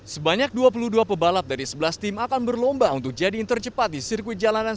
sebanyak dua puluh dua pebalap dari sebelas tim akan berlomba untuk jadi yang tercepat di sirkuit jalanan